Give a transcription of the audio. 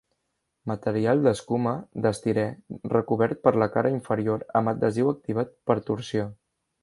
Material d'escuma d'estirè recobert per la cara inferior amb adhesiu activat per torsió.